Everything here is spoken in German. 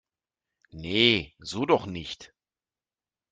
Nee, so doch nicht!